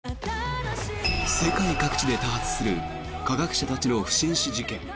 世界各地で多発する科学者たちの不審死事件。